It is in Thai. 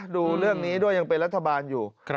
ดูเรื่องนี้ด้วยยังเป็นรัฐบาลอยู่